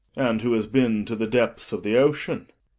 And who has been to the depths of the ocean